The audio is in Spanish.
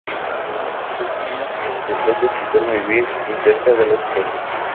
Son pequeños cetáceos que suelen vivir en cerca de las costas.